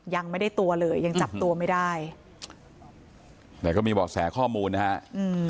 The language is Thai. ยังไม่ได้ตัวเลยยังจับตัวไม่ได้แต่ก็มีเบาะแสข้อมูลนะฮะอืม